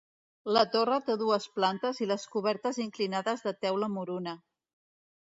La torre té dues plantes i les cobertes inclinades de teula moruna.